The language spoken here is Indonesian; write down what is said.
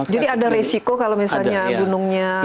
jadi ada risiko kalau misalnya gunungnya matus